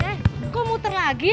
eh kok muter lagi